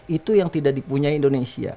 itu yang tidak dipunyai indonesia